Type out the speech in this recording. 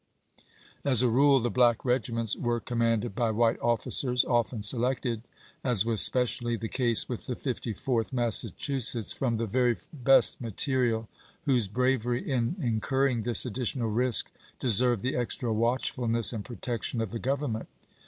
As a rule, the black regiments were commanded by white officers, often selected, as was specially the case with the Fifty fourth Massachusetts, from the very best material, whose bravery in incurring this additional risk de served the extra watchfulness and protection of the Grovernment.